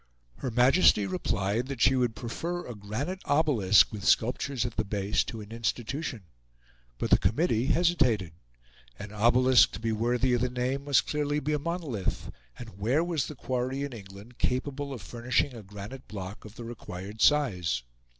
Her Majesty replied that she would prefer a granite obelisk, with sculptures at the base, to an institution. But the committee hesitated: an obelisk, to be worthy of the name, must clearly be a monolith; and where was the quarry in England capable of furnishing a granite block of the required size?